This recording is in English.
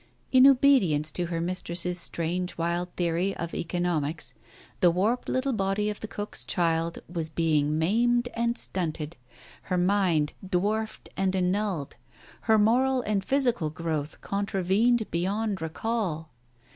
In obedience to her mistress's strange wild theory of economics, the warped little body of the cook's child was being maimed and stunted, her mind dwarfed and annulled, her moral and physical growth contravened beyond recall.